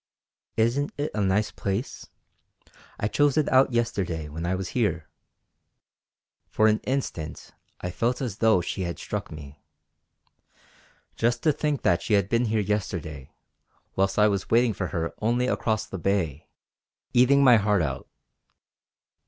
"Isn't it a nice place. I chose it out yesterday when I was here!" For an instant I felt as though she had struck me. Just to think that she had been here yesterday, whilst I was waiting for her only across the bay, eating my heart out.